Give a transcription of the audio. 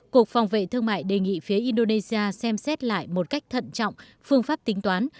cục phòng vệ thương mại đề nghị phía indonesia xem xét lại một cách thận trọng phương pháp tính toán